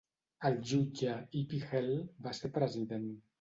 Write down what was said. El jutge E. P. Hill va ser president.